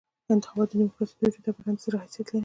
انتخابات د ډیموکراسۍ د وجود او بدن د زړه حیثیت لري.